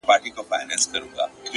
ستا د پښو ترپ ته هركلى كومه _